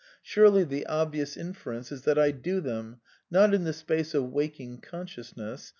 Surely the obvious inference is that I do them, not in the space of waking consciousness